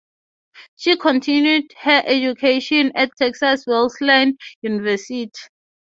She continued her education at Texas Wesleyan University.